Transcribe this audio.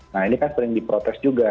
nah ini kan sering diprotes juga